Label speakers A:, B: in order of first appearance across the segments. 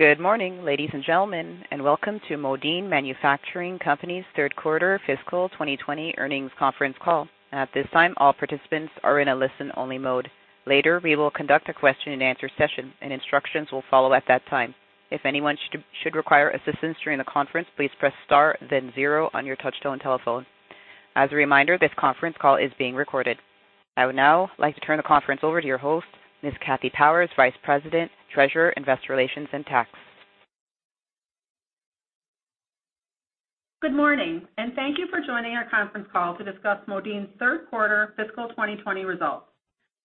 A: Good morning, ladies and gentlemen, and welcome to Modine Manufacturing Company's third quarter fiscal 2020 earnings conference call. At this time, all participants are in a listen-only mode. Later, we will conduct a question-and-answer session, and instructions will follow at that time. If anyone should require assistance during the conference, please press star, then zero on your touch-tone telephone. As a reminder, this conference call is being recorded. I would now like to turn the conference over to your host, Ms. Kathy Powers, Vice President, Treasurer, Investor Relations, and Tax.
B: Good morning, and thank you for joining our conference call to discuss Modine's third quarter fiscal 2020 results.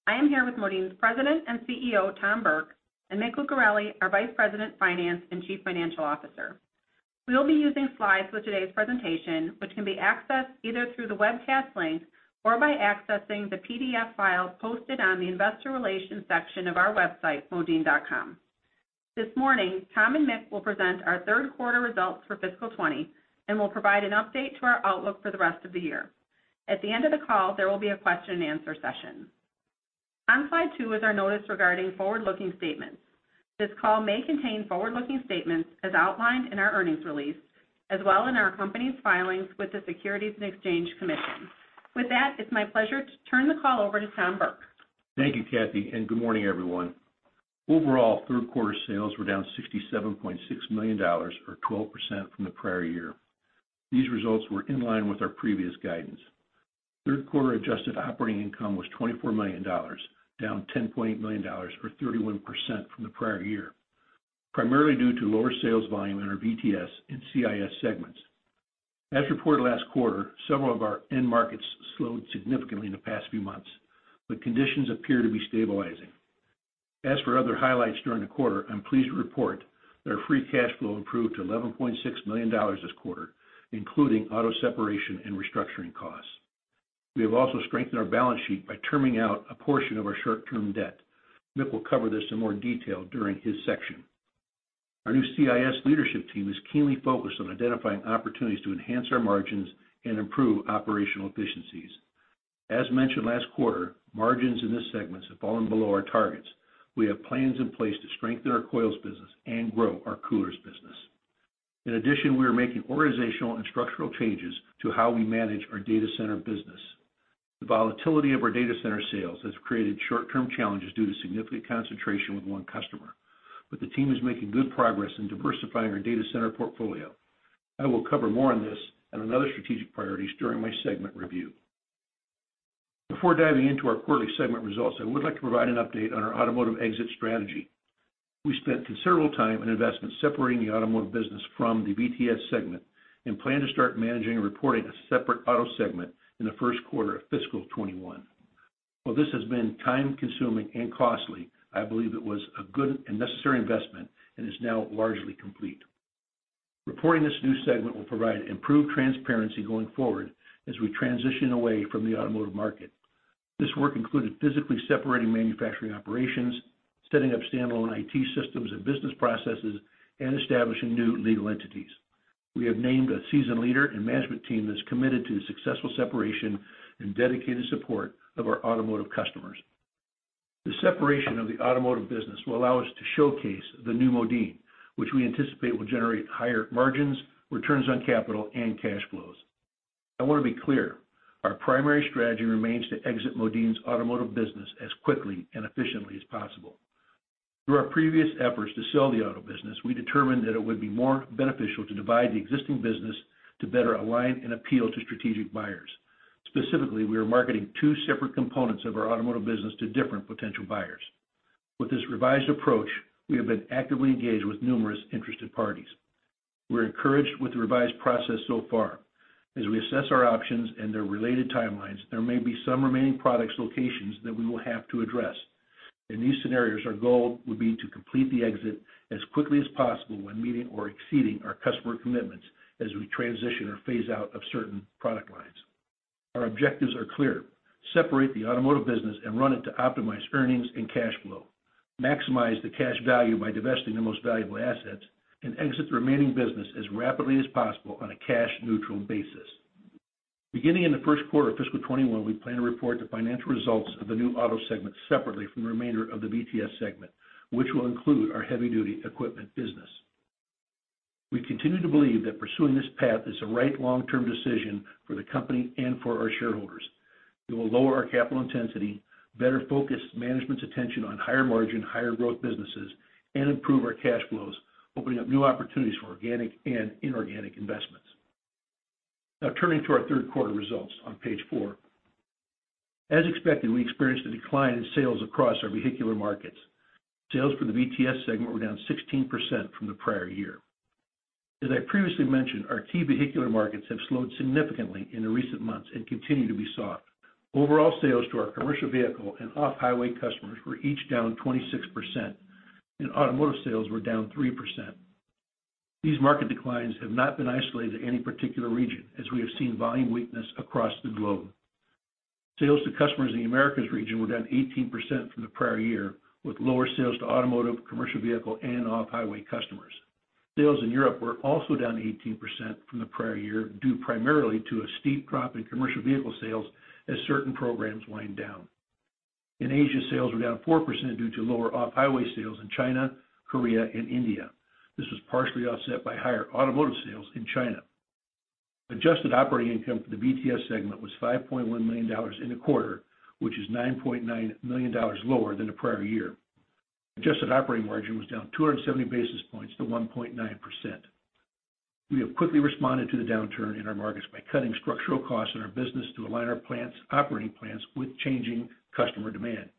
B: I am here with Modine's President and CEO, Tom Burke, and Mick Lucareli, our Vice President, Finance, and Chief Financial Officer. We will be using slides for today's presentation, which can be accessed either through the webcast link or by accessing the PDF file posted on the Investor Relations section of our website, modine.com. This morning, Tom and Mick will present our third quarter results for fiscal 2020 and will provide an update to our outlook for the rest of the year. At the end of the call, there will be a question-and-answer session. On slide 2 is our notice regarding forward-looking statements. This call may contain forward-looking statements as outlined in our earnings release, as well as in our company's filings with the Securities and Exchange Commission. With that, it's my pleasure to turn the call over to Tom Burke.
C: Thank you, Kathy, and good morning, everyone. Overall, third quarter sales were down $67.6 million, or 12% from the prior year. These results were in line with our previous guidance. Third quarter adjusted operating income was $24 million, down $10.8 million, or 31% from the prior year, primarily due to lower sales volume in our VTS and CIS segments. As reported last quarter, several of our end markets slowed significantly in the past few months, but conditions appear to be stabilizing. As for other highlights during the quarter, I'm pleased to report that our free cash flow improved to $11.6 million this quarter, including auto separation and restructuring costs. We have also strengthened our balance sheet by terming out a portion of our short-term debt. Mick will cover this in more detail during his section. Our new CIS leadership team is keenly focused on identifying opportunities to enhance our margins and improve operational efficiencies. As mentioned last quarter, margins in this segment have fallen below our targets. We have plans in place to strengthen our coils business and grow our coolers business. In addition, we are making organizational and structural changes to how we manage our data center business. The volatility of our data center sales has created short-term challenges due to significant concentration with one customer, but the team is making good progress in diversifying our data center portfolio. I will cover more on this and other strategic priorities during my segment review. Before diving into our quarterly segment results, I would like to provide an update on our automotive exit strategy. We spent considerable time and investment separating the automotive business from the VTS segment and plan to start managing and reporting a separate auto segment in the first quarter of fiscal 2021. While this has been time-consuming and costly, I believe it was a good and necessary investment and is now largely complete. Reporting this new segment will provide improved transparency going forward as we transition away from the automotive market. This work included physically separating manufacturing operations, setting up standalone IT systems and business processes, and establishing new legal entities. We have named a seasoned leader and management team that's committed to successful separation and dedicated support of our automotive customers. The separation of the automotive business will allow us to showcase the new Modine, which we anticipate will generate higher margins, returns on capital, and cash flows. I want to be clear: our primary strategy remains to exit Modine's automotive business as quickly and efficiently as possible. Through our previous efforts to sell the auto business, we determined that it would be more beneficial to divide the existing business to better align and appeal to strategic buyers. Specifically, we are marketing two separate components of our automotive business to different potential buyers. With this revised approach, we have been actively engaged with numerous interested parties. We're encouraged with the revised process so far. As we assess our options and their related timelines, there may be some remaining product locations that we will have to address. In these scenarios, our goal would be to complete the exit as quickly as possible when meeting or exceeding our customer commitments as we transition or phase out of certain product lines. Our objectives are clear: separate the automotive business and run it to optimize earnings and cash flow, maximize the cash value by divesting the most valuable assets, and exit the remaining business as rapidly as possible on a cash-neutral basis. Beginning in the first quarter of fiscal 2021, we plan to report the financial results of the new auto segment separately from the remainder of the VTS segment, which will include our heavy-duty equipment business. We continue to believe that pursuing this path is the right long-term decision for the company and for our shareholders. It will lower our capital intensity, better focus management's attention on higher margin, higher growth businesses, and improve our cash flows, opening up new opportunities for organic and inorganic investments. Now, turning to our third quarter results on page four, as expected, we experienced a decline in sales across our vehicular markets. Sales for the VTS segment were down 16% from the prior year. As I previously mentioned, our key vehicular markets have slowed significantly in the recent months and continue to be soft. Overall, sales to our commercial vehicle and off-highway customers were each down 26%, and automotive sales were down 3%. These market declines have not been isolated to any particular region, as we have seen volume weakness across the globe. Sales to customers in the Americas region were down 18% from the prior year, with lower sales to automotive, commercial vehicle, and off-highway customers. Sales in Europe were also down 18% from the prior year due primarily to a steep drop in commercial vehicle sales as certain programs wind down. In Asia, sales were down 4% due to lower off-highway sales in China, Korea, and India. This was partially offset by higher automotive sales in China. Adjusted operating income for the VTS segment was $5.1 million in the quarter, which is $9.9 million lower than the prior year. Adjusted operating margin was down 270 basis points to 1.9%. We have quickly responded to the downturn in our markets by cutting structural costs in our business to align our operating plans with changing customer demand.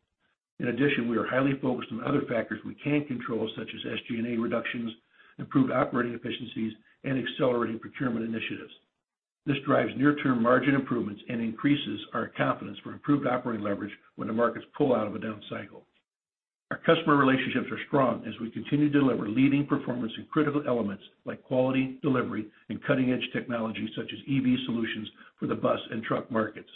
C: In addition, we are highly focused on other factors we can control, such as SG&A reductions, improved operating efficiencies, and accelerating procurement initiatives. This drives near-term margin improvements and increases our confidence for improved operating leverage when the markets pull out of a down cycle. Our customer relationships are strong as we continue to deliver leading performance in critical elements like quality delivery and cutting-edge technology, such as EV solutions for the bus and truck markets.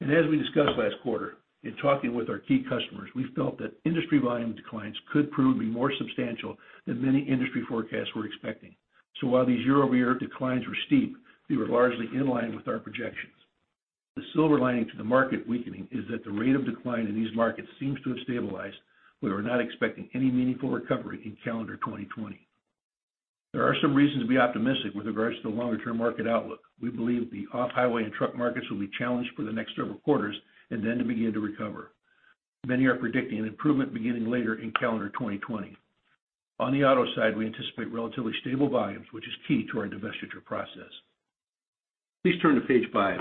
C: As we discussed last quarter, in talking with our key customers, we felt that industry volume declines could prove to be more substantial than many industry forecasts were expecting. While these year-over-year declines were steep, they were largely in line with our projections. The silver lining to the market weakening is that the rate of decline in these markets seems to have stabilized. We are not expecting any meaningful recovery in calendar 2020. There are some reasons to be optimistic with regards to the longer-term market outlook. We believe the off-highway and truck markets will be challenged for the next several quarters and then to begin to recover. Many are predicting an improvement beginning later in calendar 2020. On the auto side, we anticipate relatively stable volumes, which is key to our divestiture process. Please turn to page five.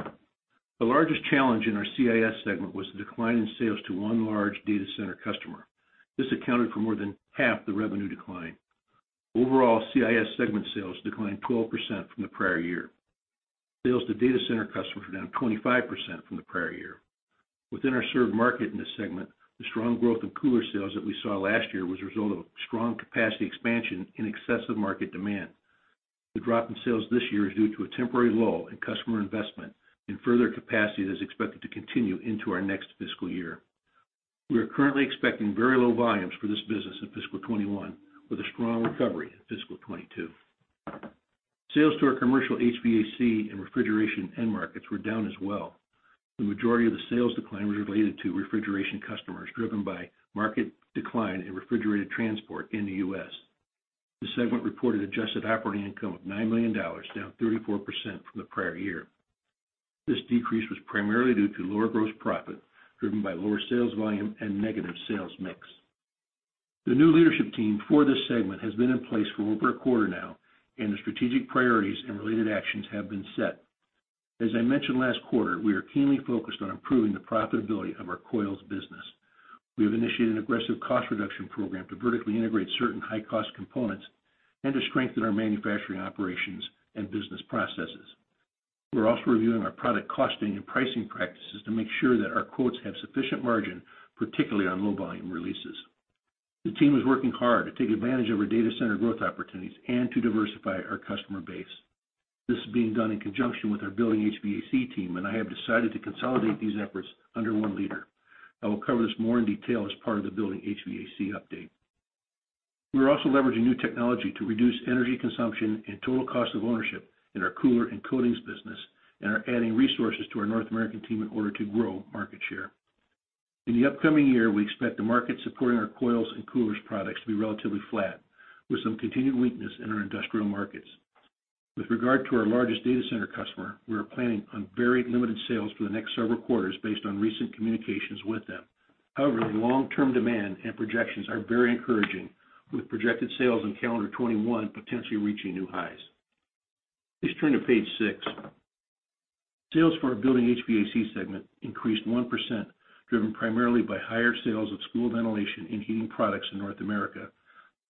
C: The largest challenge in our CIS segment was the decline in sales to one large data center customer. This accounted for more than half the revenue decline. Overall, CIS segment sales declined 12% from the prior year. Sales to data center customers were down 25% from the prior year. Within our served market in this segment, the strong growth in cooler sales that we saw last year was a result of strong capacity expansion in excess of market demand. The drop in sales this year is due to a temporary lull in customer investment and further capacity that is expected to continue into our next fiscal year. We are currently expecting very low volumes for this business in fiscal 2021, with a strong recovery in fiscal 2022. Sales to our commercial HVAC and refrigeration end markets were down as well. The majority of the sales decline was related to refrigeration customers driven by market decline in refrigerated transport in the US. The segment reported adjusted operating income of $9 million, down 34% from the prior year. This decrease was primarily due to lower gross profit driven by lower sales volume and negative sales mix. The new leadership team for this segment has been in place for over a quarter now, and the strategic priorities and related actions have been set. As I mentioned last quarter, we are keenly focused on improving the profitability of our coils business. We have initiated an aggressive cost reduction program to vertically integrate certain high-cost components and to strengthen our manufacturing operations and business processes. We're also reviewing our product costing and pricing practices to make sure that our quotes have sufficient margin, particularly on low-volume releases. The team is working hard to take advantage of our data center growth opportunities and to diversify our customer base. This is being done in conjunction with our Building HVAC team, and I have decided to consolidate these efforts under one leader. I will cover this more in detail as part of the Building HVAC update. We're also leveraging new technology to reduce energy consumption and total cost of ownership in our cooler and coatings business and are adding resources to our North American team in order to grow market share. In the upcoming year, we expect the market supporting our coils and coolers products to be relatively flat, with some continued weakness in our industrial markets. With regard to our largest data center customer, we are planning on very limited sales for the next several quarters based on recent communications with them. However, the long-term demand and projections are very encouraging, with projected sales in calendar 2021 potentially reaching new highs. Please turn to page six. Sales for our Building HVAC segment increased 1%, driven primarily by higher sales of school ventilation and heating products in North America,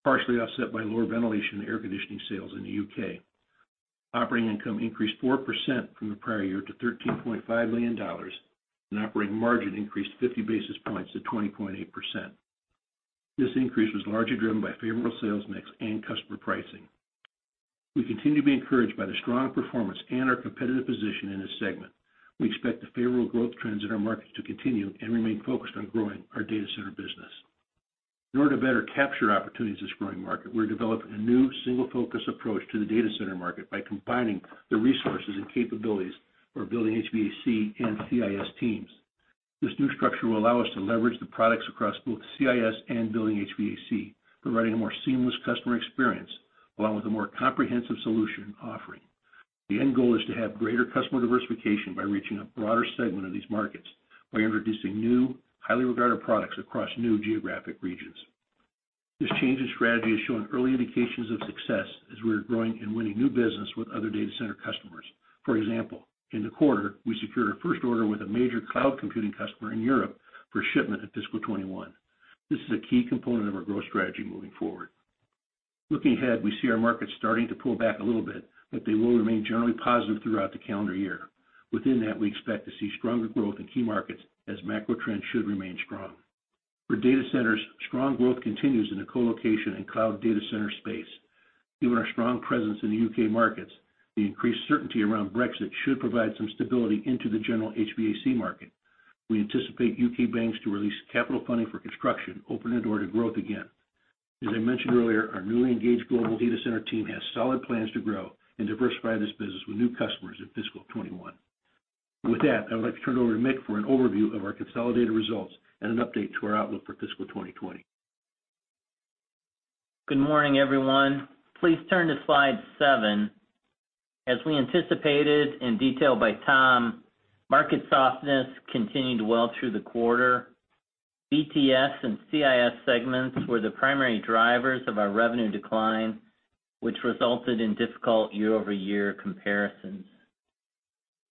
C: partially offset by lower ventilation and air conditioning sales in the U.K. Operating income increased 4% from the prior year to $13.5 million, and operating margin increased 50 basis points to 20.8%. This increase was largely driven by favorable sales mix and customer pricing. We continue to be encouraged by the strong performance and our competitive position in this segment. We expect the favorable growth trends in our markets to continue and remain focused on growing our data center business. In order to better capture opportunities in this growing market, we're developing a new single-focus approach to the data center market by combining the resources and capabilities of our Building HVAC and CIS teams. This new structure will allow us to leverage the products across both CIS and Building HVAC, providing a more seamless customer experience along with a more comprehensive solution offering. The end goal is to have greater customer diversification by reaching a broader segment of these markets by introducing new, highly regarded products across new geographic regions. This change in strategy has shown early indications of success as we're growing and winning new business with other data center customers. For example, in the quarter, we secured our first order with a major cloud computing customer in Europe for shipment in fiscal 2021. This is a key component of our growth strategy moving forward. Looking ahead, we see our markets starting to pull back a little bit, but they will remain generally positive throughout the calendar year. Within that, we expect to see stronger growth in key markets as macro trends should remain strong. For data centers, strong growth continues in the colocation and cloud data center space. Given our strong presence in the U.K. markets, the increased certainty around Brexit should provide some stability into the general HVAC market. We anticipate U.K. banks to release capital funding for construction, opening the door to growth again. As I mentioned earlier, our newly engaged global data center team has solid plans to grow and diversify this business with new customers in fiscal 2021. With that, I would like to turn it over to Mick for an overview of our consolidated results and an update to our outlook for fiscal 2020.
D: Good morning, everyone. Please turn to slide seven. As we anticipated in detail by Tom, market softness continued well through the quarter. VTS and CIS segments were the primary drivers of our revenue decline, which resulted in difficult year-over-year comparisons.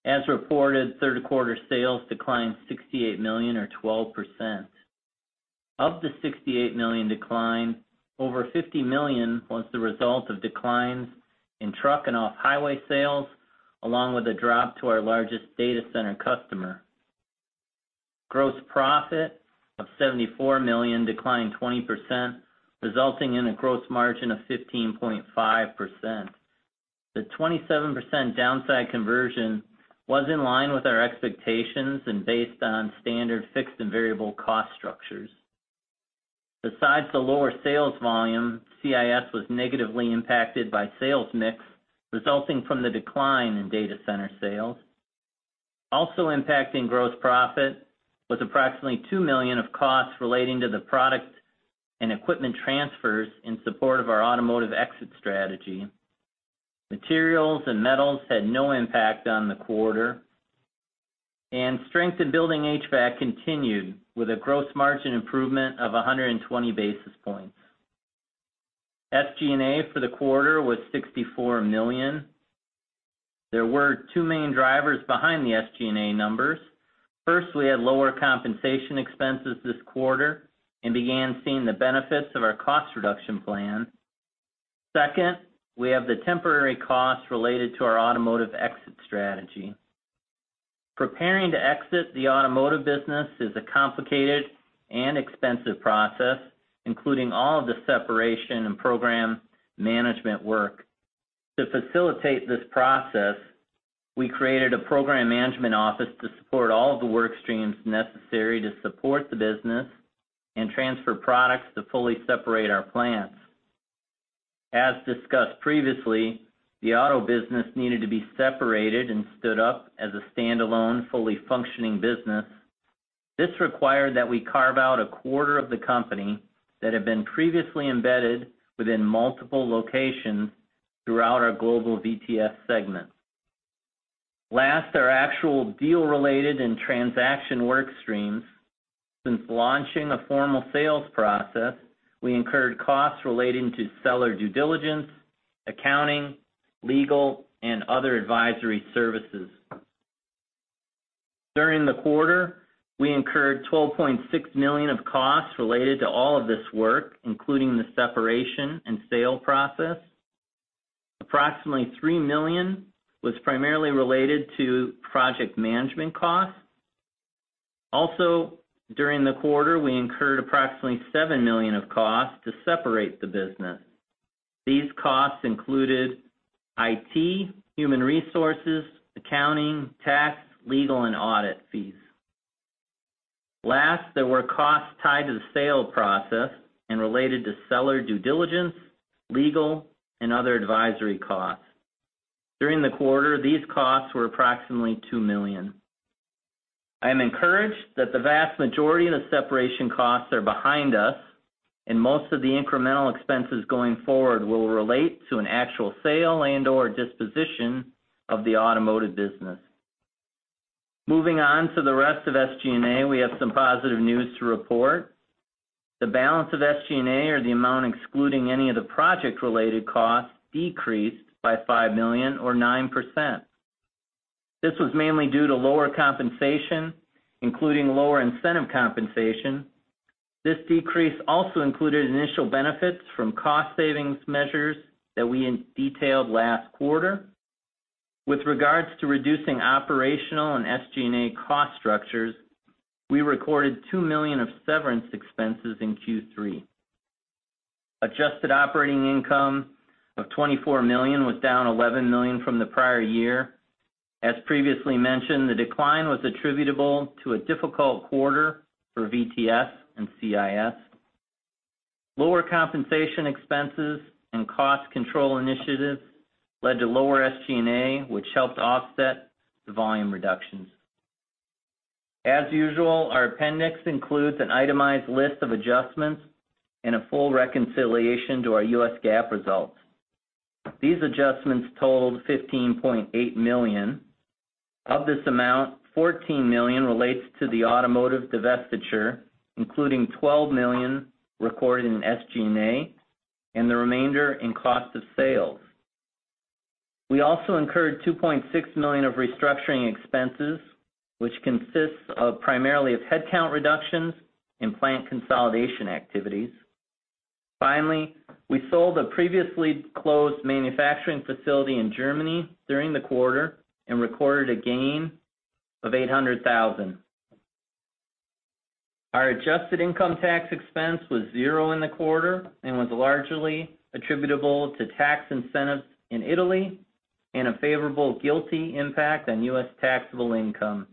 D: As reported, third-quarter sales declined $68 million, or 12%. Of the $68 million declined, over $50 million was the result of declines in truck and off-highway sales, along with a drop to our largest data center customer. Gross profit of $74 million declined 20%, resulting in a gross margin of 15.5%. The 27% downside conversion was in line with our expectations and based on standard fixed and variable cost structures. Besides the lower sales volume, CIS was negatively impacted by sales mix, resulting from the decline in data center sales. Also impacting gross profit was approximately $2 million of costs relating to the product and equipment transfers in support of our automotive exit strategy. Materials and metals had no impact on the quarter, and strength in Building HVAC continued with a gross margin improvement of 120 basis points. SG&A for the quarter was $64 million. There were two main drivers behind the SG&A numbers. First, we had lower compensation expenses this quarter and began seeing the benefits of our cost reduction plan. Second, we have the temporary costs related to our automotive exit strategy. Preparing to exit the automotive business is a complicated and expensive process, including all of the separation and program management work. To facilitate this process, we created a program management office to support all of the work streams necessary to support the business and transfer products to fully separate our plants. As discussed previously, the auto business needed to be separated and stood up as a standalone, fully functioning business. This required that we carve out a quarter of the company that had been previously embedded within multiple locations throughout our global VTS segment. Last, our actual deal-related and transaction work streams. Since launching a formal sales process, we incurred costs relating to seller due diligence, accounting, legal, and other advisory services. During the quarter, we incurred $12.6 million of costs related to all of this work, including the separation and sale process. Approximately $3 million was primarily related to project management costs. Also, during the quarter, we incurred approximately $7 million of costs to separate the business. These costs included IT, human resources, accounting, tax, legal, and audit fees. Last, there were costs tied to the sale process and related to seller due diligence, legal, and other advisory costs. During the quarter, these costs were approximately $2 million. I am encouraged that the vast majority of the separation costs are behind us, and most of the incremental expenses going forward will relate to an actual sale and/or disposition of the automotive business. Moving on to the rest of SG&A, we have some positive news to report. The balance of SG&A, or the amount excluding any of the project-related costs, decreased by $5 million, or 9%. This was mainly due to lower compensation, including lower incentive compensation. This decrease also included initial benefits from cost savings measures that we detailed last quarter. With regards to reducing operational and SG&A cost structures, we recorded $2 million of severance expenses in Q3. Adjusted operating income of $24 million was down $11 million from the prior year. As previously mentioned, the decline was attributable to a difficult quarter for VTS and CIS. Lower compensation expenses and cost control initiatives led to lower SG&A, which helped offset the volume reductions. As usual, our appendix includes an itemized list of adjustments and a full reconciliation to our U.S. GAAP results. These adjustments totaled $15.8 million. Of this amount, $14 million relates to the automotive divestiture, including $12 million recorded in SG&A and the remainder in cost of sales. We also incurred $2.6 million of restructuring expenses, which consists primarily of headcount reductions and plant consolidation activities. Finally, we sold a previously closed manufacturing facility in Germany during the quarter and recorded a gain of $800,000. Our adjusted income tax expense was zero in the quarter and was largely attributable to tax incentives in Italy and a favorable GILTI impact on U.S. taxable income.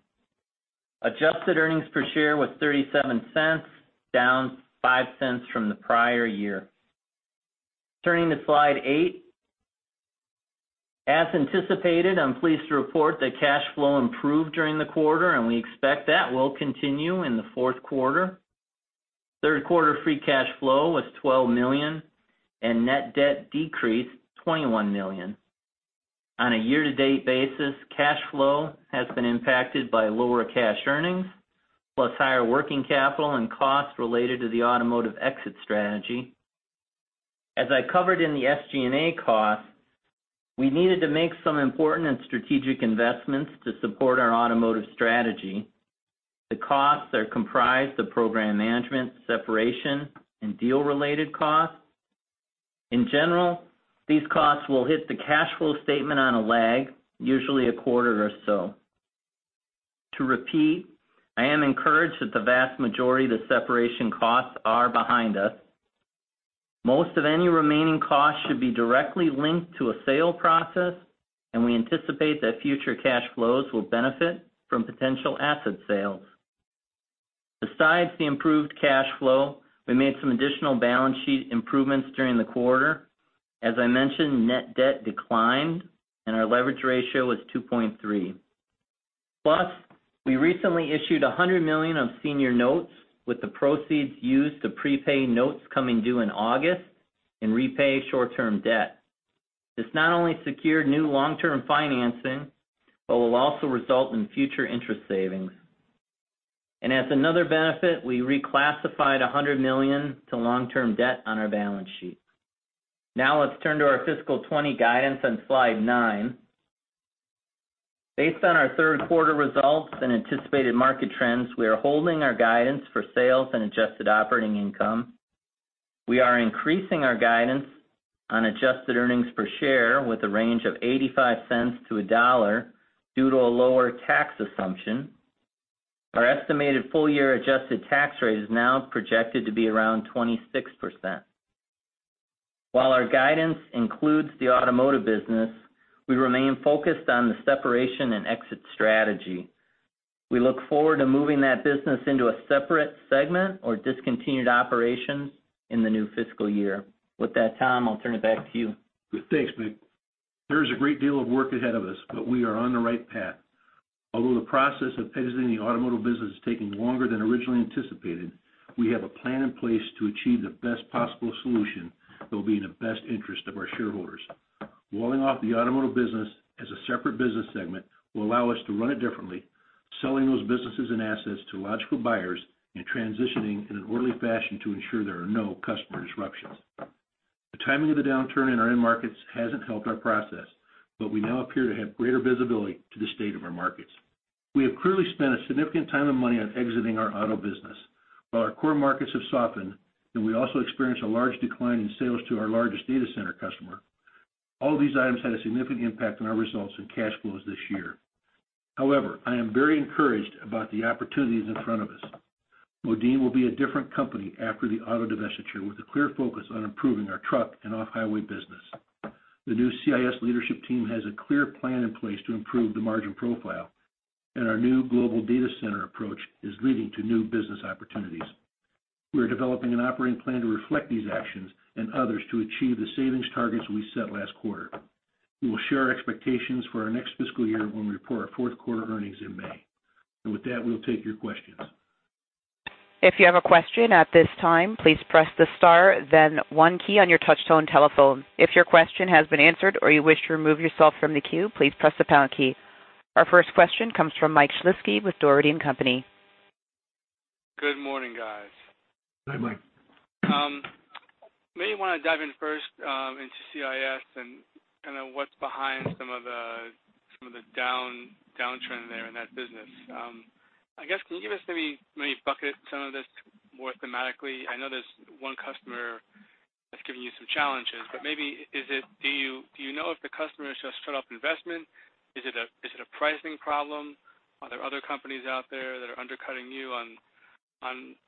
D: Adjusted earnings per share was $0.37, down $0.05 from the prior year. Turning to slide eight. As anticipated, I'm pleased to report that cash flow improved during the quarter, and we expect that will continue in the fourth quarter. Third-quarter free cash flow was $12 million, and net debt decreased $21 million. On a year-to-date basis, cash flow has been impacted by lower cash earnings, plus higher working capital and costs related to the automotive exit strategy. As I covered in the SG&A costs, we needed to make some important and strategic investments to support our automotive strategy. The costs are comprised of program management, separation, and deal-related costs. In general, these costs will hit the cash flow statement on a lag, usually a quarter or so. To repeat, I am encouraged that the vast majority of the separation costs are behind us. Most of any remaining costs should be directly linked to a sale process, and we anticipate that future cash flows will benefit from potential asset sales. Besides the improved cash flow, we made some additional balance sheet improvements during the quarter. As I mentioned, net debt declined, and our leverage ratio was 2.3. Plus, we recently issued $100 million of senior notes with the proceeds used to prepay notes coming due in August and repay short-term debt. This not only secured new long-term financing, but will also result in future interest savings. And as another benefit, we reclassified $100 million to long-term debt on our balance sheet. Now let's turn to our fiscal 2020 guidance on slide nine. Based on our third-quarter results and anticipated market trends, we are holding our guidance for sales and adjusted operating income. We are increasing our guidance on adjusted earnings per share with a range of $0.85-$1 due to a lower tax assumption. Our estimated full-year adjusted tax rate is now projected to be around 26%. While our guidance includes the automotive business, we remain focused on the separation and exit strategy. We look forward to moving that business into a separate segment or discontinued operations in the new fiscal year. With that, Tom, I'll turn it back to you.
C: Thanks, Mick. There is a great deal of work ahead of us, but we are on the right path. Although the process of exiting the automotive business is taking longer than originally anticipated, we have a plan in place to achieve the best possible solution that will be in the best interest of our shareholders. Walling off the automotive business as a separate business segment will allow us to run it differently, selling those businesses and assets to logical buyers and transitioning in an orderly fashion to ensure there are no customer disruptions. The timing of the downturn in our end markets hasn't helped our process, but we now appear to have greater visibility to the state of our markets. We have clearly spent a significant time and money on exiting our auto business. While our core markets have softened and we also experienced a large decline in sales to our largest data center customer, all of these items had a significant impact on our results and cash flows this year. However, I am very encouraged about the opportunities in front of us. Modine will be a different company after the auto divestiture with a clear focus on improving our truck and off-highway business. The new CIS leadership team has a clear plan in place to improve the margin profile, and our new global data center approach is leading to new business opportunities. We are developing an operating plan to reflect these actions and others to achieve the savings targets we set last quarter. We will share our expectations for our next fiscal year when we report our fourth-quarter earnings in May. With that, we'll take your questions.
A: If you have a question at this time, please press the star, then one key on your touch-tone telephone. If your question has been answered or you wish to remove yourself from the queue, please press the pound key. Our first question comes from Mike Shlisky with Dougherty & Company.
E: Good morning, guys.
C: Hi, Mike.
E: Maybe you want to dive in first into CIS and kind of what's behind some of the downtrend there in that business. I guess, can you give us maybe bucket some of this more thematically? I know there's one customer that's giving you some challenges, but maybe is it do you know if the customer is just shut up investment? Is it a pricing problem? Are there other companies out there that are undercutting you on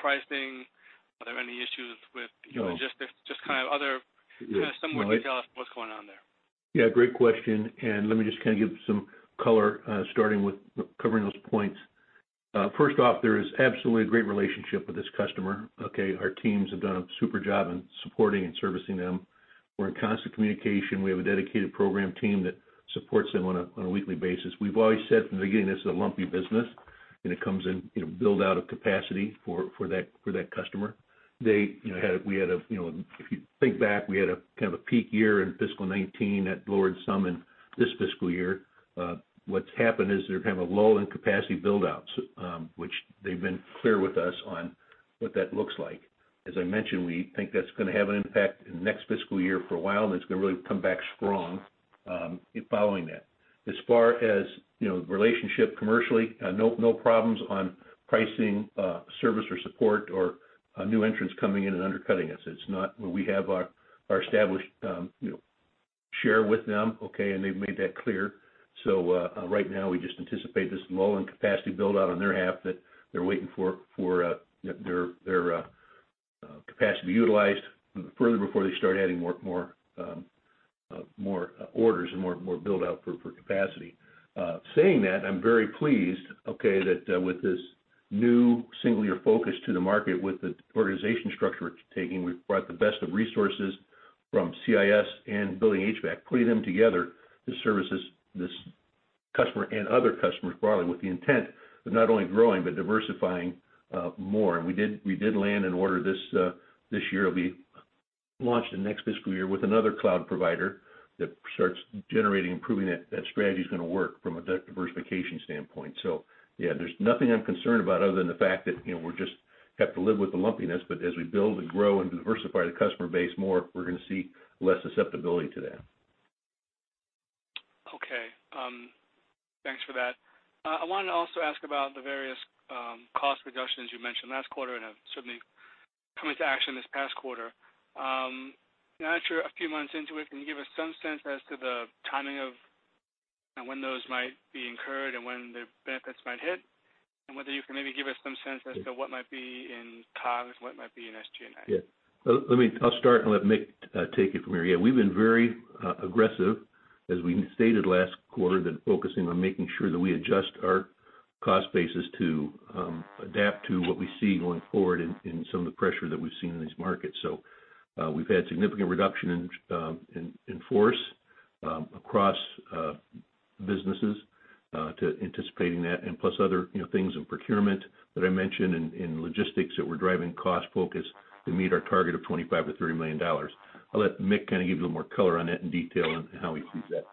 E: pricing? Are there any issues with just kind of other kind of some more detail as to what's going on there?
C: Yeah, great question. And let me just kind of give some color starting with covering those points. First off, there is absolutely a great relationship with this customer. Okay, our teams have done a super job in supporting and servicing them. We're in constant communication. We have a dedicated program team that supports them on a weekly basis. We've always said from the beginning this is a lumpy business, and it comes in build-out of capacity for that customer. We had a, if you think back, we had a kind of a peak year in fiscal 2019 that lowered some in this fiscal year. What's happened is they're having a lull in capacity build-outs, which they've been clear with us on what that looks like. As I mentioned, we think that's going to have an impact in the next fiscal year for a while, and it's going to really come back strong following that. As far as the relationship commercially, no problems on pricing, service or support, or new entrants coming in and undercutting us. It's not where we have our established share with them, okay, and they've made that clear. So right now, we just anticipate this lull in capacity build-out on their half that they're waiting for their capacity to be utilized further before they start adding more orders and more build-out for capacity. Saying that, I'm very pleased, okay, that with this new single-year focus to the market with the organization structure we're taking, we've brought the best of resources from CIS and Building HVAC, putting them together to service this customer and other customers broadly with the intent of not only growing but diversifying more. And we did land an order this year. It'll be launched the next fiscal year with another cloud provider that starts generating and proving that that strategy is going to work from a diversification standpoint. So yeah, there's nothing I'm concerned about other than the fact that we just have to live with the lumpiness, but as we build and grow and diversify the customer base more, we're going to see less susceptibility to that.
E: Okay. Thanks for that. I wanted to also ask about the various cost reductions you mentioned last quarter and have certainly come into action this past quarter. Now, after a few months into it, can you give us some sense as to the timing of when those might be incurred and when the benefits might hit and whether you can maybe give us some sense as to what might be in COGS, what might be in SG&A?
C: Yeah. I'll start and let Mick take it from here. Yeah, we've been very aggressive, as we stated last quarter, then focusing on making sure that we adjust our cost basis to adapt to what we see going forward in some of the pressure that we've seen in these markets. So we've had significant reduction in force across businesses to anticipating that, and plus other things in procurement that I mentioned and logistics that we're driving cost focus to meet our target of $25-$30 million. I'll let Mick kind of give you a little more color on that in detail and how he sees that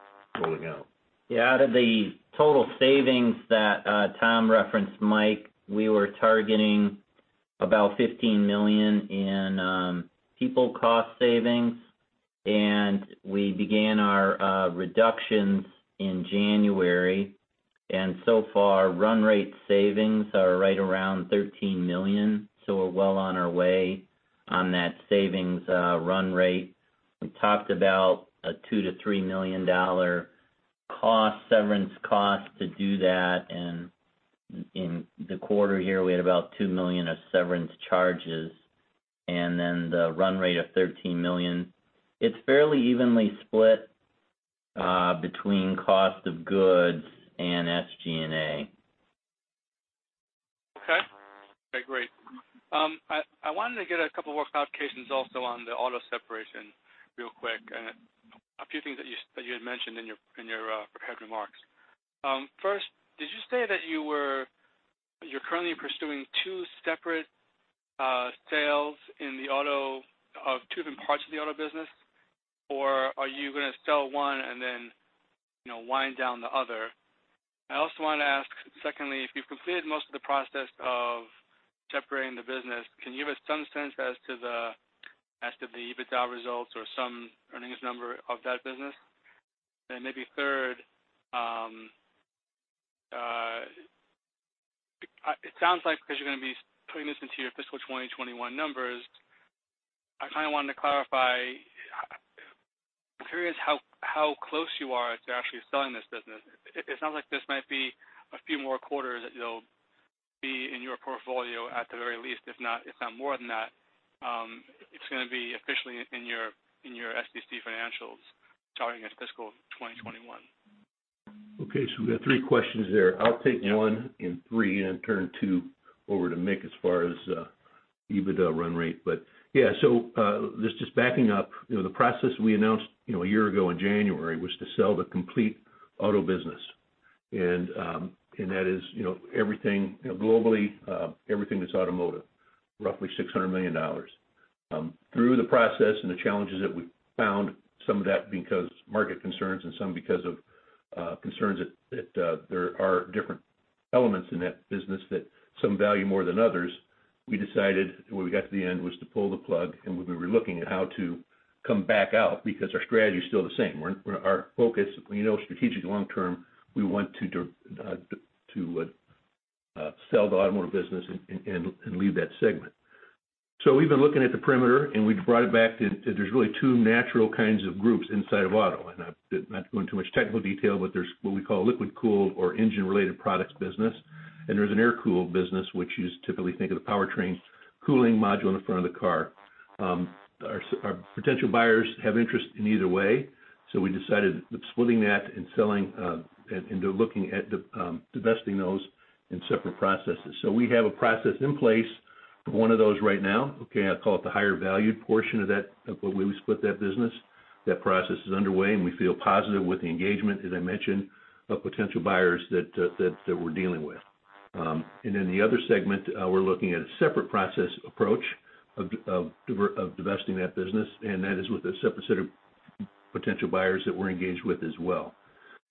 C: rolling out.
D: Yeah, out of the total savings that Tom referenced, Mick, we were targeting about $15 million in people cost savings, and we began our reductions in January. So far, run rate savings are right around $13 million, so we're well on our way on that savings run rate. We talked about a $2 million-$3 million cost severance cost to do that, and in the quarter here, we had about $2 million of severance charges and then the run rate of $13 million. It's fairly evenly split between cost of goods and SG&A.
E: Okay. Okay, great. I wanted to get a couple more clarifications also on the auto separation real quick and a few things that you had mentioned in your prepared remarks. First, did you say that you're currently pursuing two separate sales in the auto of two different parts of the auto business, or are you going to sell one and then wind down the other? I also wanted to ask secondly, if you've completed most of the process of separating the business, can you give us some sense as to the EBITDA results or some earnings number of that business? Maybe third, it sounds like because you're going to be putting this into your fiscal 2021 numbers, I kind of wanted to clarify. I'm curious how close you are to actually selling this business. It sounds like this might be a few more quarters that you'll be in your portfolio at the very least, if not more than that. It's going to be officially in your SEC financials starting in fiscal 2021.
C: Okay, we got three questions there. I'll take one and three and then turn two over to Mick as far as EBITDA run rate. Yeah, just backing up, the process we announced a year ago in January was to sell the complete auto business, and that is everything globally, everything that's automotive, roughly $600 million. Through the process and the challenges that we found, some of that because of market concerns and some because of concerns that there are different elements in that business that some value more than others, we decided when we got to the end was to pull the plug, and we've been looking at how to come back out because our strategy is still the same. Our focus, strategic long-term, we want to sell the automotive business and leave that segment. So we've been looking at the parameters and we've brought it back to there's really two natural kinds of groups inside of auto. And I'm not going into too much technical detail, but there's what we call liquid-cooled or engine-related products business, and there's an air-cooled business, which you typically think of the powertrain cooling module in the front of the car. Our potential buyers have interest in either way, so we decided splitting that and selling and looking at divesting those in separate processes. So we have a process in place for one of those right now. Okay, I'll call it the higher valued portion of that of what we split that business. That process is underway and we feel positive with the engagement, as I mentioned, of potential buyers that we're dealing with. And then the other segment, we're looking at a separate process approach of divesting that business, and that is with a separate set of potential buyers that we're engaged with as well.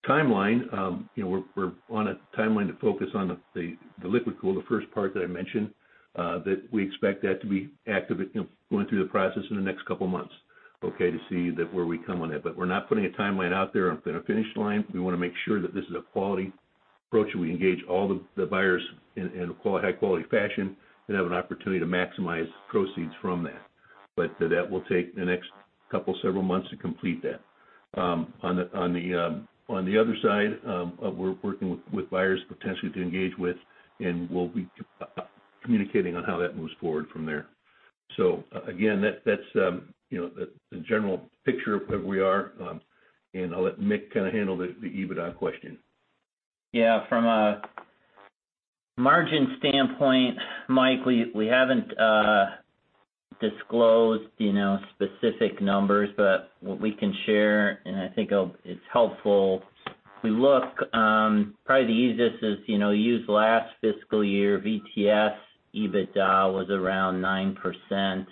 C: Timeline, we're on a timeline to focus on the liquid-cooled, the first part that I mentioned, that we expect that to be active going through the process in the next couple of months, okay, to see where we come on that. But we're not putting a timeline out there on a finish line. We want to make sure that this is a quality approach. We engage all the buyers in a high-quality fashion and have an opportunity to maximize proceeds from that. But that will take the next couple of several months to complete that. On the other side, we're working with buyers potentially to engage with, and we'll be communicating on how that moves forward from there. So again, that's the general picture of where we are, and I'll let Mick kind of handle the EBITDA question. Yeah, from a margin standpoint, Mick, we haven't disclosed specific numbers, but what we can share, and I think it's helpful, we look probably the easiest is use last fiscal year. VTS EBITDA was around 9%,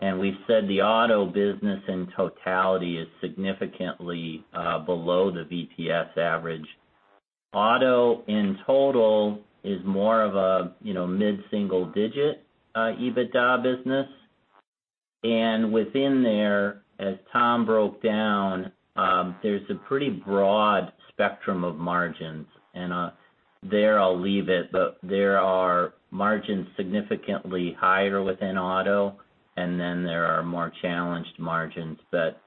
C: and we said the auto business in totality is significantly below the VTS average. Auto in total is more of a mid-single-digit EBITDA business. And within there, as Tom broke down, there's a pretty broad spectrum of margins. And there I'll leave it, but there are margins significantly higher within auto, and then there are more challenged margins. But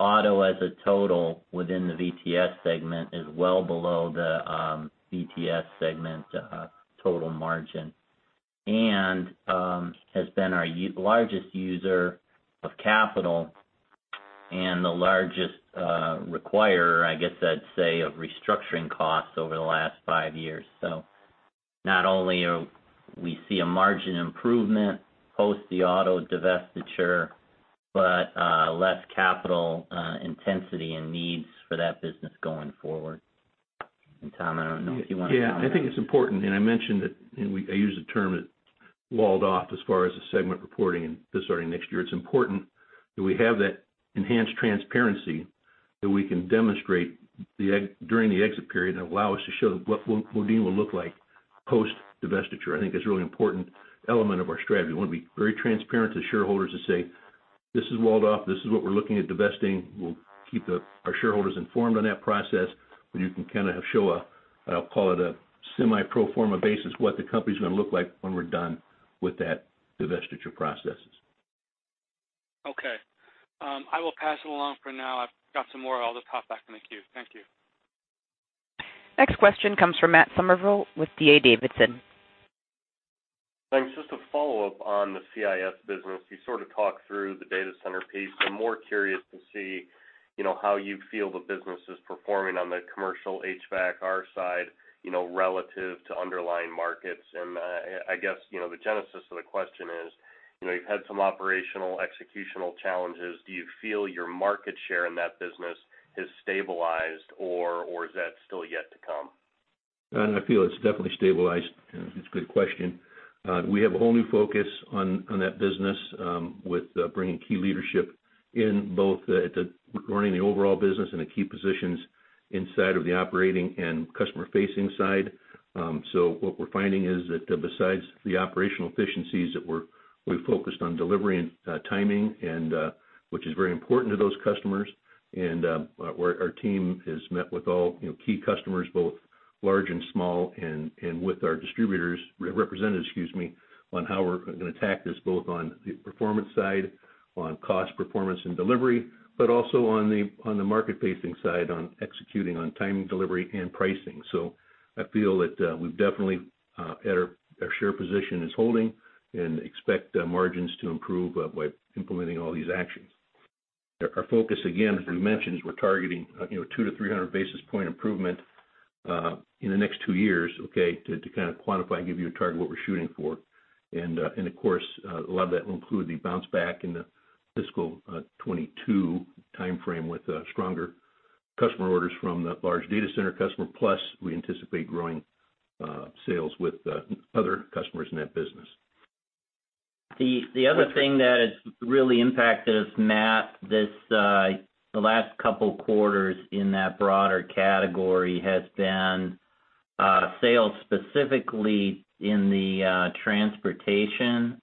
C: auto as a total within the VTS segment is well below the VTS segment total margin and has been our largest user of capital and the largest requirer, I guess I'd say, of restructuring costs over the last five years. So not only do we see a margin improvement post the auto divestiture, but less capital intensity and needs for that business going forward. And Tom, I don't know if you want to comment. Yeah, I think it's important. And I mentioned that I use the term that walled off as far as the segment reporting and this starting next year. It's important that we have that enhanced transparency that we can demonstrate during the exit period and allow us to show what Modine will look like post divestiture. I think it's a really important element of our strategy. We want to be very transparent to shareholders to say, "This is walled off. This is what we're looking at divesting." We'll keep our shareholders informed on that process, but you can kind of show, I'll call it a semi-pro forma basis, what the company's going to look like when we're done with that divestiture processes.
E: Okay. I will pass it along for now. I've got some more. I'll just hop back in the queue. Thank you.
A: Next question comes from Matt Summerville with D.A. Davidson.
F: Thanks. Just a follow-up on the CIS business. You sort of talked through the data center piece. I'm more curious to see how you feel the business is performing on the commercial HVAC & R side, relative to underlying markets. I guess the genesis of the question is you've had some operational executional challenges. Do you feel your market share in that business has stabilized, or is that still yet to come?
C: I feel it's definitely stabilized. It's a good question. We have a whole new focus on that business with bringing key leadership in both at the running the overall business and the key positions inside of the operating and customer-facing side. So what we're finding is that besides the operational efficiencies that we focused on delivering timing, which is very important to those customers, and our team has met with all key customers, both large and small, and with our distributors' representatives, excuse me, on how we're going to tackle this both on the performance side, on cost performance and delivery, but also on the market-facing side on executing on time delivery and pricing. So I feel that we've definitely had our share position is holding and expect margins to improve by implementing all these actions. Our focus, again, as we mentioned, is we're targeting 200-300 basis points improvement in the next 2 years, okay, to kind of quantify and give you a target of what we're shooting for. And of course, a lot of that will include the bounce back in the fiscal 2022 timeframe with stronger customer orders from the large data center customer, plus we anticipate growing sales with other customers in that business.
D: The other thing that has really impacted us, Matt, the last couple of quarters in that broader category has been sales specifically in the transportation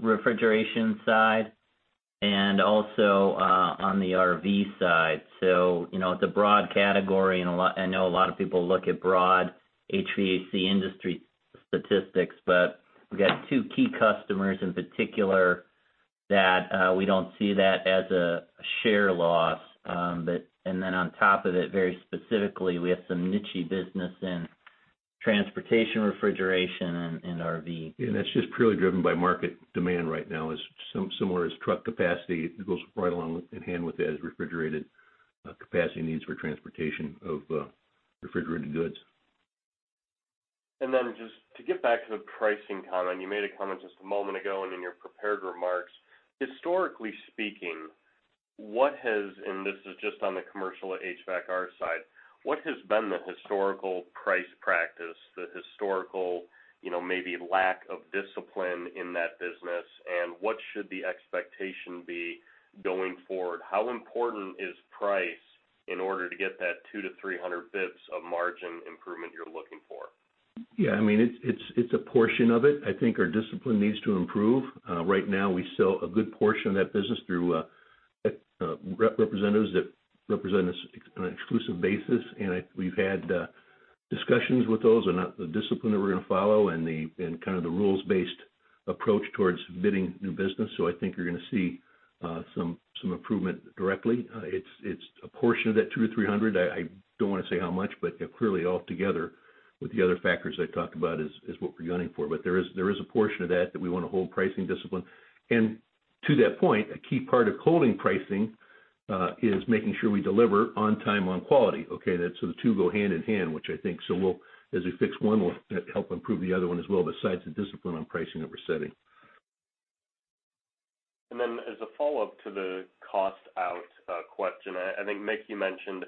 D: refrigeration side and also on the RV side. So it's a broad category. And I know a lot of people look at broad HVAC industry statistics, but we've got two key customers in particular that we don't see that as a share loss. And then on top of it, very specifically, we have some niche business in transportation refrigeration and RV.
C: And that's just purely driven by market demand right now, similar as truck capacity goes right along hand in hand with that as refrigerated capacity needs for transportation of refrigerated goods.
F: And then just to get back to the pricing comment, you made a comment just a moment ago in your prepared remarks. Historically speaking, what has, and this is just on the commercial HVAC, our side, what has been the historical price practice, the historical maybe lack of discipline in that business, and what should the expectation be going forward? How important is price in order to get that 200-300 bps of margin improvement you're looking for?
C: Yeah, I mean, it's a portion of it. I think our discipline needs to improve. Right now, we sell a good portion of that business through representatives that represent us on an exclusive basis, and we've had discussions with those on the discipline that we're going to follow and kind of the rules-based approach towards bidding new business. So I think you're going to see some improvement directly. It's a portion of that 200-300. I don't want to say how much, but clearly altogether with the other factors I talked about is what we're gunning for. But there is a portion of that that we want to hold pricing discipline. And to that point, a key part of holding pricing is making sure we deliver on time, on quality. Okay, so the two go hand in hand, which I think, so as we fix one, we'll help improve the other one as well besides the discipline on pricing that we're setting.
F: And then as a follow-up to the cost-out question, I think Mick you mentioned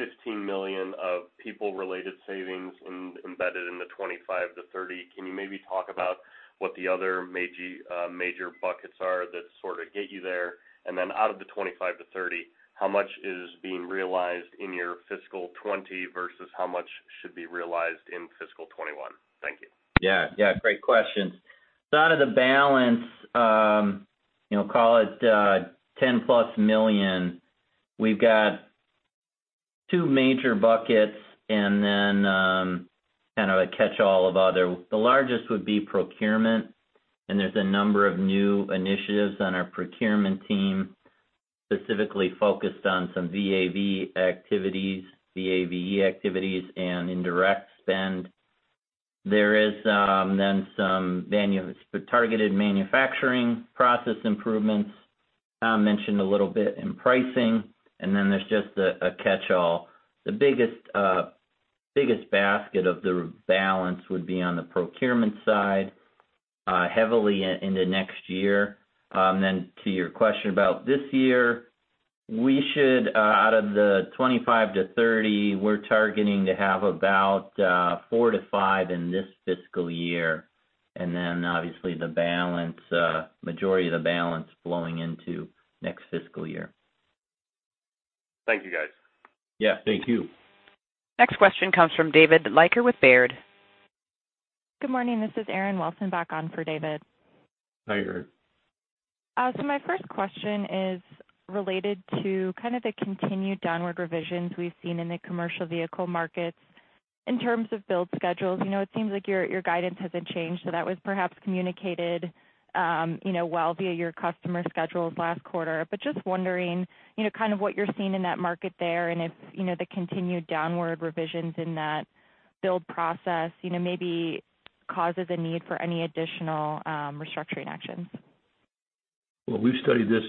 F: $15 million of people-related savings embedded in the $25 million-$30 million. Can you maybe talk about what the other major buckets are that sort of get you there? And then out of the $25 million-$30 million, how much is being realized in your fiscal 2020 versus how much should be realized in fiscal 2021? Thank you.
D: Yeah, yeah, great questions. So out of the balance, call it $10 million+, we've got two major buckets and then kind of a catch-all of other. The largest would be procurement, and there's a number of new initiatives on our procurement team specifically focused on some VAVE activities, VAVE activities, and indirect spend. There is then some targeted manufacturing process improvements mentioned a little bit in pricing, and then there's just a catch-all. The biggest basket of the balance would be on the procurement side heavily in the next year. Then to your question about this year, we should, out of the 25-30, we're targeting to have about 4-5 in this fiscal year. And then obviously the balance, majority of the balance flowing into next fiscal year.
F: Thank you, guys.
C: Yeah, thank you.
A: Next question comes from David Leiker with Baird.
G: Good morning. This is Erin Wilson back on for David. Hi, Erin. So my first question is related to kind of the continued downward revisions we've seen in the commercial vehicle markets in terms of build schedules. It seems like your guidance hasn't changed, so that was perhaps communicated well via your customer schedules last quarter. But just wondering kind of what you're seeing in that market there and if the continued downward revisions in that build process maybe causes a need for any additional restructuring actions.
C: Well, we've studied this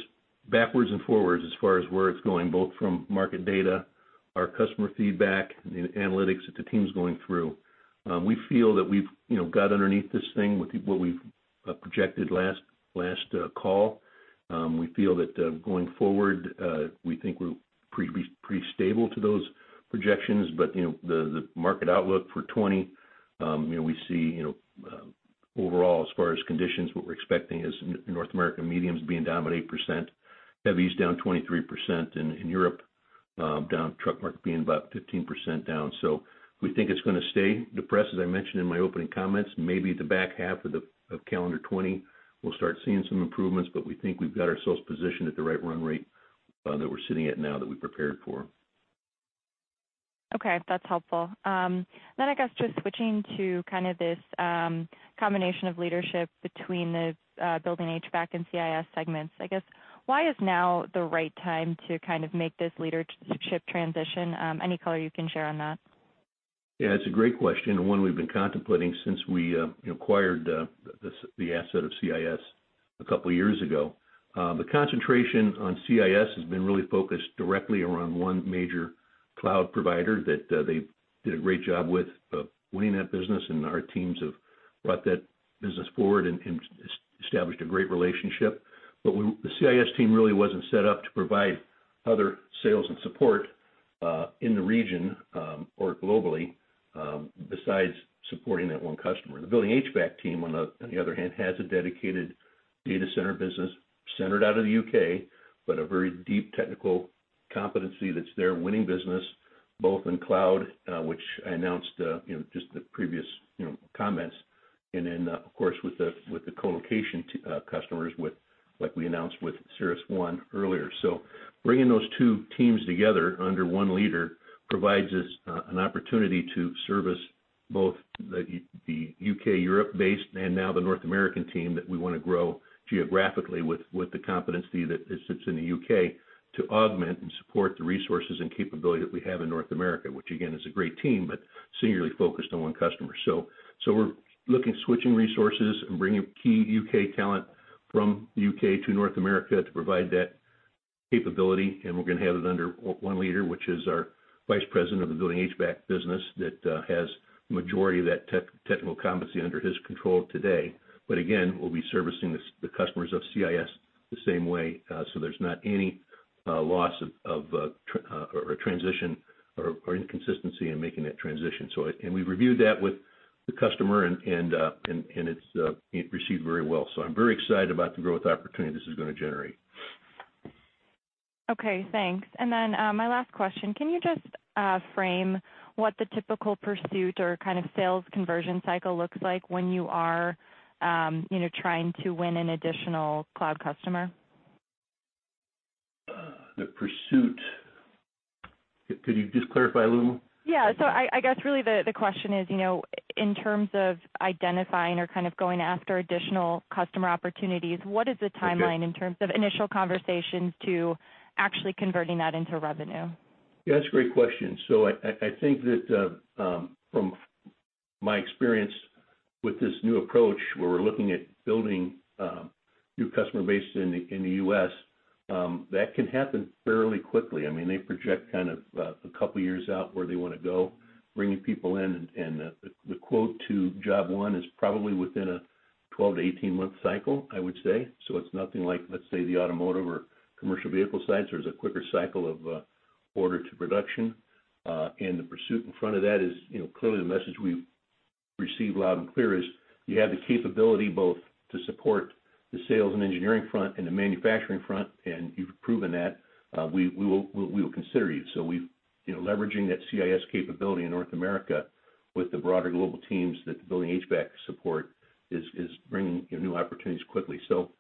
C: backwards and forwards as far as where it's going, both from market data, our customer feedback, the analytics that the team's going through. We feel that we've got underneath this thing with what we've projected last call. We feel that going forward, we think we're pretty stable to those projections, but the market outlook for 2020, we see overall as far as conditions, what we're expecting is North America mediums being down about 8%, heavies down 23%, and in Europe, down truck market being about 15% down. So we think it's going to stay depressed, as I mentioned in my opening comments. Maybe the back half of calendar 2020, we'll start seeing some improvements, but we think we've got ourselves positioned at the right run rate that we're sitting at now that we prepared for.
G: Okay, that's helpful. Then I guess just switching to kind of this combination of leadership between the Building HVAC and CIS segments, I guess, why is now the right time to kind of make this leadership transition? Any color you can share on that?
C: Yeah, it's a great question. One we've been contemplating since we acquired the asset of CIS a couple of years ago. The concentration on CIS has been really focused directly around one major cloud provider that they did a great job with winning that business, and our teams have brought that business forward and established a great relationship. But the CIS team really wasn't set up to provide other sales and support in the region or globally besides supporting that one customer. The building HVAC team, on the other hand, has a dedicated data center business centered out of the U.K., but a very deep technical competency that's their winning business, both in cloud, which I announced just the previous comments, and then, of course, with the colocation customers like we announced with CyrusOne earlier. So bringing those two teams together under one leader provides us an opportunity to service both the U.K., Europe-based, and now the North American team that we want to grow geographically with the competency that sits in the U.K. to augment and support the resources and capability that we have in North America, which again is a great team, but singularly focused on one customer. So we're looking at switching resources and bringing key UK talent from the UK to North America to provide that capability. And we're going to have it under one leader, which is our Vice President of the Building HVAC business that has the majority of that technical competency under his control today. But again, we'll be servicing the customers of CIS the same way, so there's not any loss of transition or inconsistency in making that transition. And we've reviewed that with the customer, and it's received very well. So I'm very excited about the growth opportunity this is going to generate.
G: Okay, thanks. And then my last question, can you just frame what the typical pursuit or kind of sales conversion cycle looks like when you are trying to win an additional cloud customer?
C: The pursuit, could you just clarify a little more?
G: Yeah. So I guess really the question is in terms of identifying or kind of going after additional customer opportunities, what is the timeline in terms of initial conversations to actually converting that into revenue?
C: Yeah, that's a great question. So I think that from my experience with this new approach where we're looking at building new customer base in the U.S., that can happen fairly quickly. I mean, they project kind of a couple of years out where they want to go, bringing people in. And the quote to job one is probably within a 12-18-month cycle, I would say. So it's nothing like, let's say, the automotive or commercial vehicle side. So there's a quicker cycle of order to production. And the pursuit in front of that is clearly the message we've received loud and clear: you have the capability both to support the sales and engineering front and the manufacturing front, and you've proven that we will consider you. So, leveraging that CIS capability in North America with the broader global teams that the building HVAC support is bringing new opportunities quickly. So,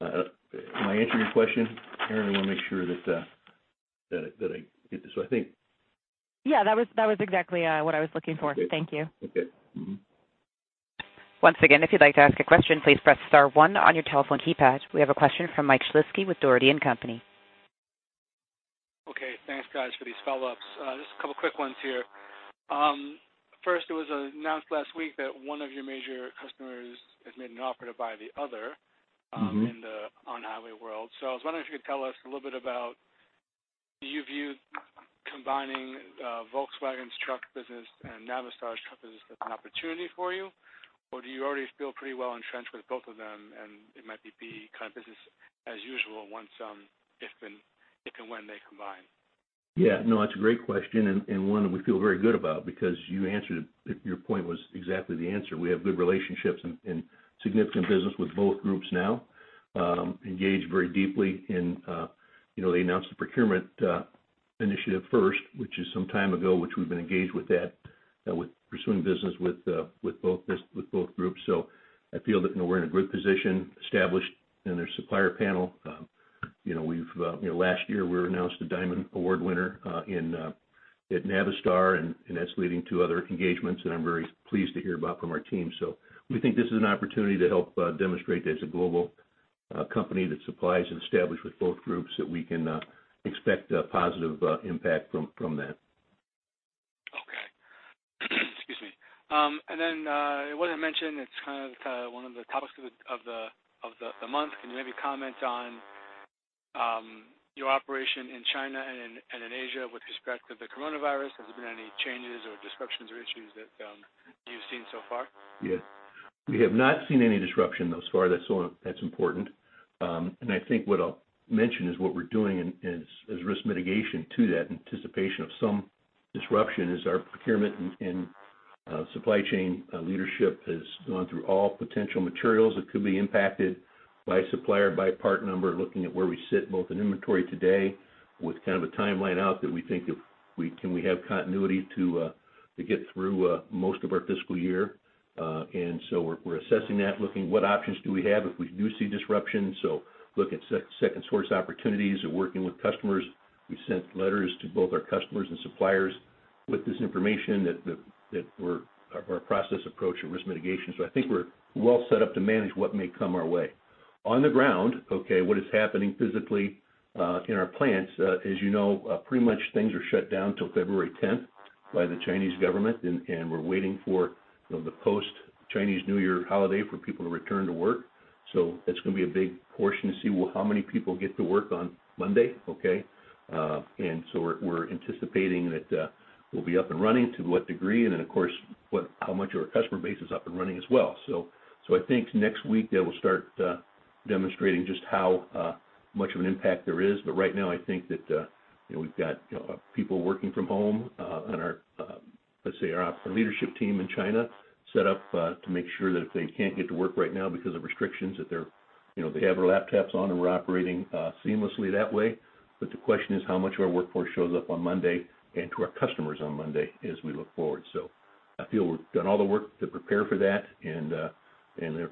C: my answer to your question, Erin, I want to make sure that I get this. So I think.
G: Yeah, that was exactly what I was looking for. Thank you.
C: Okay.
A: Once again, if you'd like to ask a question, please press star one on your telephone keypad. We have a question from Mike Shlisky with Dougherty & Company.
E: Okay, thanks, guys, for these follow-ups. Just a couple of quick ones here. First, it was announced last week that one of your major customers has made an offer to buy the other in the on-highway world. So I was wondering if you could tell us a little bit about do you view combining Volkswagen's truck business and Navistar's truck business as an opportunity for you, or do you already feel pretty well entrenched with both of them and it might be kind of business as usual once if and when they combine? Yeah, no, that's a great question and one we feel very good about because you answered it. Your point was exactly the answer. We have good relationships and significant business with both groups now, engaged very deeply in. They announced the procurement initiative first, which is some time ago, which we've been engaged with that, with pursuing business with both groups. So I feel that we're in a good position, established in their supplier panel. Last year, we were announced the Diamond Award winner at Navistar, and that's leading to other engagements that I'm very pleased to hear about from our team. So we think this is an opportunity to help demonstrate as a global company that supplies and establish with both groups that we can expect a positive impact from that. Okay. Excuse me. And then it wasn't mentioned, it's kind of one of the topics of the month. Can you maybe comment on your operation in China and in Asia with respect to the coronavirus? Has there been any changes or disruptions or issues that you've seen so far?
C: Yes. We have not seen any disruption thus far. That's important. I think what I'll mention is what we're doing as risk mitigation to that anticipation of some disruption is our procurement and supply chain leadership has gone through all potential materials that could be impacted by supplier, by part number, looking at where we sit both in inventory today with kind of a timeline out that we think can we have continuity to get through most of our fiscal year. We're assessing that, looking at what options do we have if we do see disruptions. Look at second source opportunities or working with customers. We sent letters to both our customers and suppliers with this information that our process approach and risk mitigation. I think we're well set up to manage what may come our way. On the ground, okay, what is happening physically in our plants, as you know, pretty much things are shut down till February 10th by the Chinese government, and we're waiting for the post-Chinese New Year holiday for people to return to work. So it's going to be a big portion to see how many people get to work on Monday, okay? And so we're anticipating that we'll be up and running to what degree, and then, of course, how much of our customer base is up and running as well. So I think next week that will start demonstrating just how much of an impact there is. But right now, I think that we've got people working from home on our, let's say, our leadership team in China set up to make sure that if they can't get to work right now because of restrictions, that they have their laptops on and we're operating seamlessly that way. But the question is how much of our workforce shows up on Monday and to our customers on Monday as we look forward. So I feel we've done all the work to prepare for that, and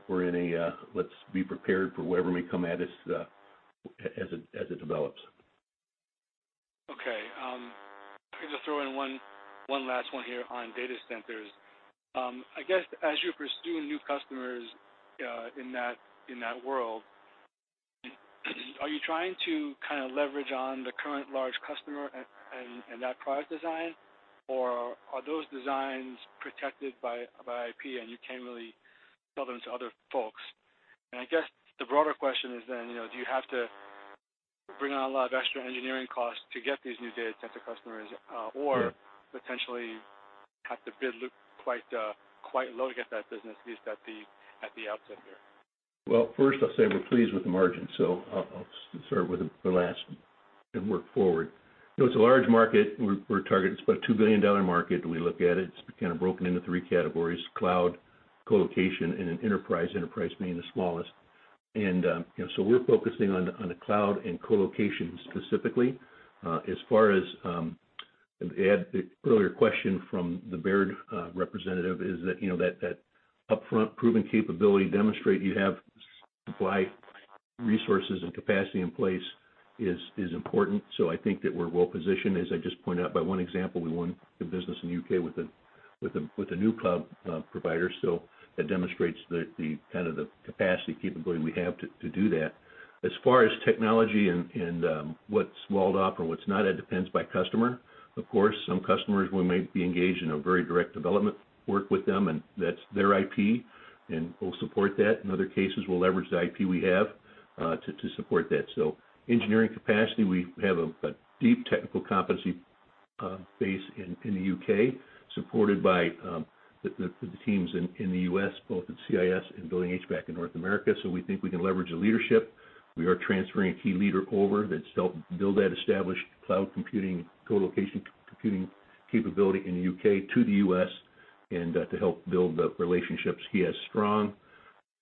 C: we're in a let's be prepared for whatever may come at us as it develops.
E: Okay. I'm going to throw in one last one here on data centers. I guess as you pursue new customers in that world, are you trying to kind of leverage on the current large customer and that product design, or are those designs protected by IP and you can't really sell them to other folks? And I guess the broader question is then do you have to bring on a lot of extra engineering costs to get these new data center customers or potentially have to bid quite low to get that business lease at the outset here?
C: Well, first, I'll say we're pleased with the margin. So I'll start with the last and work forward. It's a large market. We're targeting about a $2 billion market. We look at it. It's kind of broken into three categories: cloud, colocation, and enterprise, enterprise being the smallest. And so we're focusing on the cloud and colocation specifically. As far as the earlier question from the Baird representative is that that upfront proven capability demonstrates you have supply resources and capacity in place is important. So I think that we're well positioned, as I just pointed out by one example. We won the business in the U.K. with a new cloud provider. So that demonstrates the kind of the capacity capability we have to do that. As far as technology and what's walled off or what's not, it depends by customer. Of course, some customers we might be engaged in a very direct development work with them, and that's their IP, and we'll support that. In other cases, we'll leverage the IP we have to support that. So engineering capacity, we have a deep technical competency base in the U.K. supported by the teams in the U.S., both at CIS and Building HVAC in North America. So we think we can leverage the leadership. We are transferring a key leader over that's helped build that established cloud computing colocation computing capability in the U.K. to the U.S. and to help build the relationships he has strong.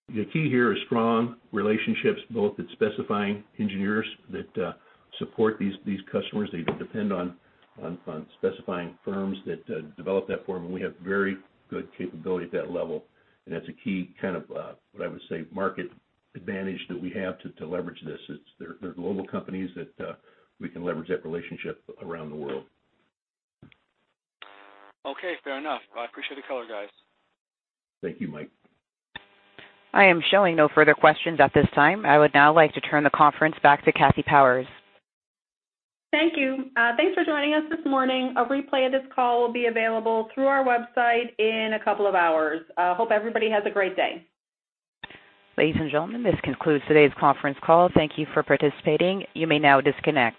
C: The key here is strong relationships both at specifying engineers that support these customers. They depend on specifying firms that develop that for them. We have very good capability at that level. And that's a key kind of, what I would say, market advantage that we have to leverage this. They're global companies that we can leverage that relationship around the world.
E: Okay, fair enough. I appreciate the color, guys.
C: Thank you, Mike.
A: I am showing no further questions at this time. I would now like to turn the conference back to Kathy Powers.
B: Thank you. Thanks for joining us this morning. A replay of this call will be available through our website in a couple of hours. Hope everybody has a great day.
A: Ladies and gentlemen, this concludes today's conference call. Thank you for participating. You may now disconnect.